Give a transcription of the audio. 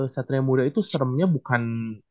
satria muda itu seremnya bukan